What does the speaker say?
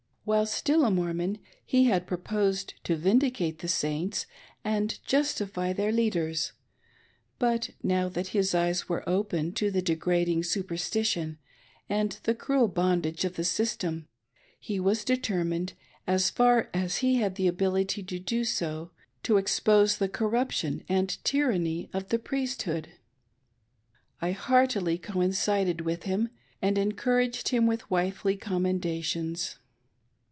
While still a Mormon he had pro posed to vindicate the Saiints and justify their leaders, but now that his eyes were open to the degrading superstition and cruel bondage of the system, he was determined, as far as he had ability to do so, to expose the corruption and tyranny of the Priesthood. I heartily coincided with him, and encouraged him with wifely commendations.